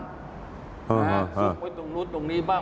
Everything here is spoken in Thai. เก็บไว้ตรงนู้นตรงนี้บ้าง